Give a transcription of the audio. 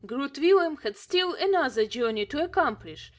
Groot Willem had still another journey to accomplish.